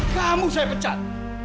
kamu saya pecat